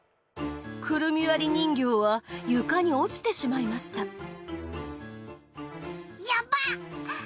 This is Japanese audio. くるみわり人形は床に落ちてしまいましたヤバッ！